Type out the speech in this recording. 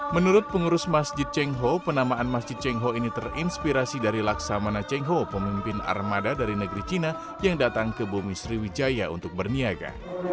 menurut pengurus masjid cengho penamaan masjid cengho ini terinspirasi dari laksamana cengho pemimpin armada dari negeri cina yang datang ke bumi sriwijaya untuk berniaga